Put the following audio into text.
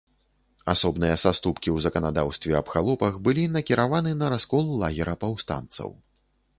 Асобныя саступкі ў заканадаўстве аб халопах былі накіраваны на раскол лагера паўстанцаў.